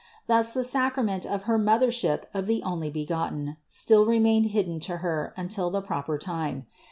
Thus the sacrament of her Mothership of the Onlybegotten still remained hidden to Her until the proper time.